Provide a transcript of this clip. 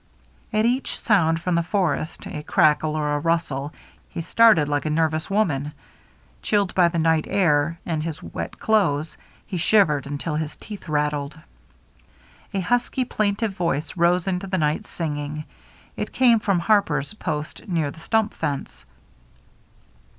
At each sound from the forest, — a crackle or a rustle, — he started like a nervous woman. Chilled by the night air and WHISKEY JIM 363 his wet clothes, he shivered until his teeth rattled. A husky, plaintive voice rose into the night, singing. It came from Harper's post near the stump fence.